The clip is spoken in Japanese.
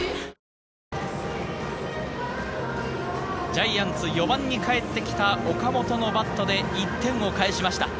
ジャイアンツ、４番に帰ってきた岡本のバットで１点を返しました。